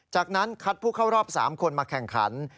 จากนั้นคัดผู้เข้ารอบ๓คนมาแข่งขัน